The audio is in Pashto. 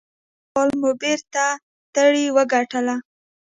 سږکال مو بېرته ترې وګټله.